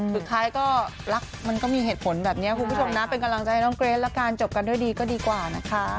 สุดท้ายก็รักมันก็มีเหตุผลแบบนี้คุณผู้ชมนะเป็นกำลังใจให้น้องเกรทละกันจบกันด้วยดีก็ดีกว่านะคะ